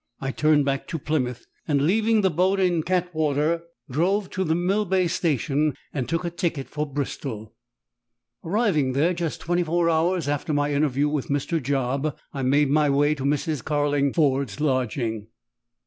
I turned back to Plymouth, and, leaving the boat in Cattewater, drove to the Millbay Station and took a ticket for Bristol. Arriving there just twenty four hours after my interview with Mr. Job, I made my way to Mrs. Carlingford's lodgings.